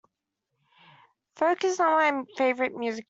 Folk is not my favorite music genre.